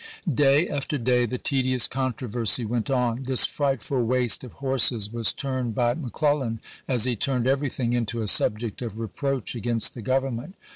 Day after day the voh'bax. tedious controversy went on. This frightful waste ^pfL^" of horses was turned by McClellan, as he turned everything, into a subject of reproach against the Grovernment.